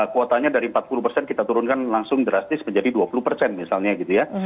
kuotanya dari empat puluh persen kita turunkan langsung drastis menjadi dua puluh persen misalnya gitu ya